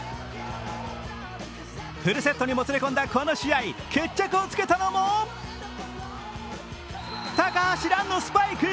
フルセットにもつれ込んだこの試合、決着をつけたのも高橋藍のスパイク。